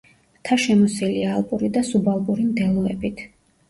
მთა შემოსილია ალპური და სუბალპური მდელოებით.